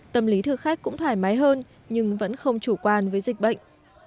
tâm lý thực khách cũng thoải mái hơn nhưng vẫn không chủ quan với dịch bệnh